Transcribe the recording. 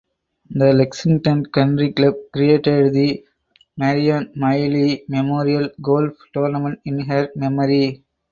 The Lexington Country Club created the Marion Miley Memorial Golf Tournament in her memory.